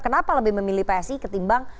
kenapa lebih memilih psi ketimbang